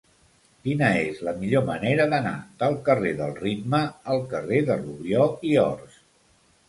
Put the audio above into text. Quina és la millor manera d'anar del carrer del Ritme al carrer de Rubió i Ors?